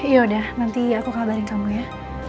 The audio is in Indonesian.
yaudah nanti aku kabarin kamu ya